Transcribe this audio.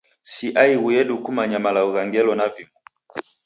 Si aighu yedu kumanya malagho gha ngelo na vimu.